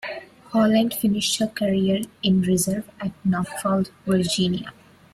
"Holland" finished her career in reserve at Norfolk, Virginia.